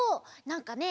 なんかね